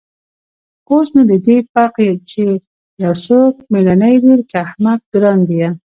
اوس نو د دې فرق چې يو څوک مېړنى دى که احمق گران ديه.